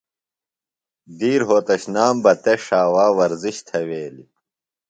دُوئی روھوتشنام بہ تس ݜاوا ورزِش تھویلیۡ۔